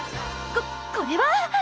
ここれは！